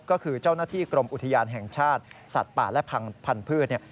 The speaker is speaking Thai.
ก็คือเจ้าหน้าที่กรมอุทยานแห่งชาติสัตว์ป่าและพันธุ์พืช